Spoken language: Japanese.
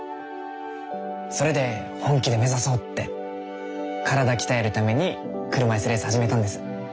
それで本気で目指そうって体鍛えるために車いすレース始めたんです。